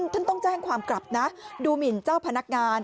ท่านต้องแจ้งความกลับนะดูหมินเจ้าพนักงาน